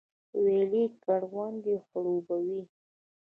ویالې کروندې خړوبوي